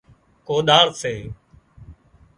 ڪوۮاۯ سي